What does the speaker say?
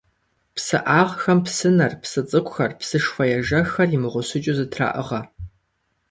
ПсыӀагъхэм псынэр, псы цӀыкӀухэр, псышхуэ ежэххэр имыгъущыкӀыу зэтраӀыгъэ.